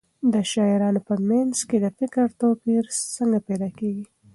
د شاعرانو په منځ کې د فکر توپیر څنګه پیدا کېږي؟